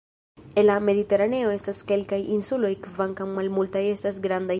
En la Mediteraneo estas kelkaj insuloj kvankam malmultaj estas grandaj.